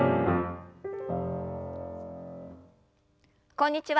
こんにちは